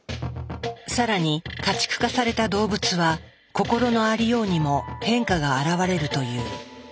更に家畜化された動物は心のありようにも変化があらわれるという。